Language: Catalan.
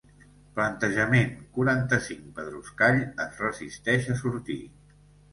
Plantejament quaranta-cinc pedruscall es resisteix a sortir.